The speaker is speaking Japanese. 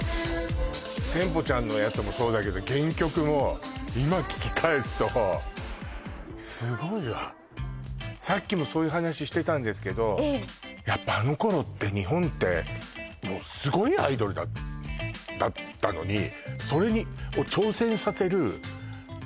テンポちゃんのやつもそうだけど原曲も今聴き返すとすごいわさっきもそういう話してたんですけどやっぱあの頃って日本ってすごいアイドルだったのにそれにを挑戦させるああ